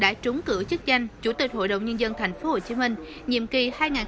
đã trúng cử chức danh chủ tịch hội đồng nhân dân tp hcm nhiệm kỳ hai nghìn một mươi sáu hai nghìn hai mươi một